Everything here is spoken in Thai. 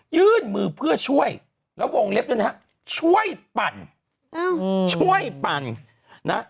ยื่นมือเพื่อช่วยแล้ววงเล็บด้วยนะฮะช่วยปั่นช่วยปั่นนะ